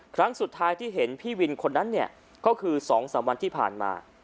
ครั้งสุดท้ายที่เห็นพี่วินคนนั้นเนี่ยก็คือ๒๓วันที่ผ่านมา